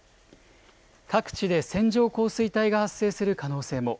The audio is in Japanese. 各地で線状降水帯が発生する可能性も。